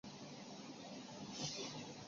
强调日本对台湾产业开发的重视。